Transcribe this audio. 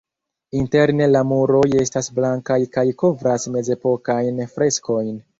Interne la muroj estas blankaj kaj kovras mezepokajn freskojn.